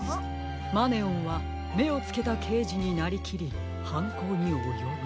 「マネオンはめをつけたけいじになりきりはんこうにおよぶ」。